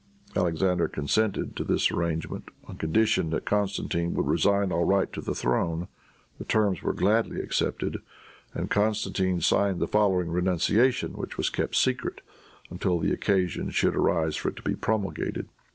Alexander consented to this arrangement on condition that Constantine would resign all right to the throne. The terms were gladly accepted, and Constantine signed the following renunciation, which was kept secret until the occasion should arise for it to be promulgated.